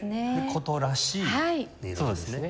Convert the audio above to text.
箏らしい音色ですね。